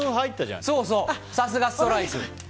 さすが、ストライク。